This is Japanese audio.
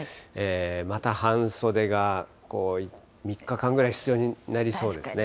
また、半袖が３日間くらい必要になりそうですね。